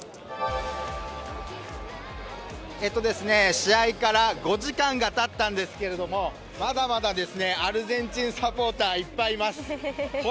試合から５時間がたったんですけれどもまだまだアルゼンチンサポーターはいっぱいいます。